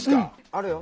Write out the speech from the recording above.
あれよ